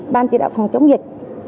ban chỉ đạo phòng chống dịch